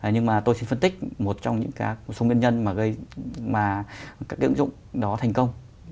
nhưng mà tôi xin phân tích một trong những số nguyên nhân mà gây mà các cái ứng dụng đó thành công